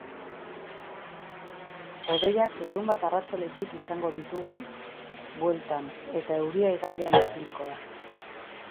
Hodeiak larunbat arratsaldetik izango izango dugu bueltan eta euria igandean itzuliko da.